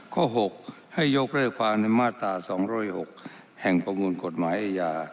ข้อ๖ให้ยกเลิกความในมาตรา๒๐๖แห่งประมวลกฎหมายอาญา